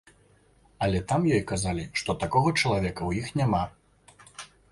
Але там ёй казалі, што такога чалавека ў іх няма.